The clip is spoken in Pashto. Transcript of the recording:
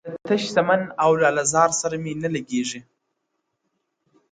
• له تش چمن او لاله زار سره مي نه لګیږي,